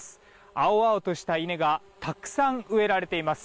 青々とした稲がたくさん植えられています。